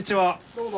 どうも。